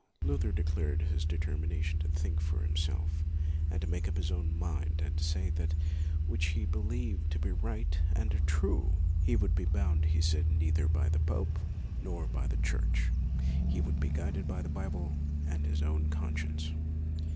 Luther declared his de termination to think for himself, and to make up his own mind, and to say that which he believed to be right and true. He would be bound, he said, neither by the pope nor by the Church. He would be guided by the Bible and his own con science.